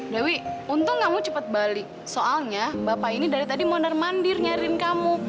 dewi untung kamu cepat balik soalnya bapak ini dari tadi mondar mandir nyari kamu